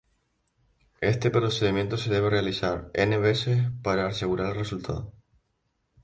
Este procedimiento se debe realizar "n" veces para asegurar su resultado.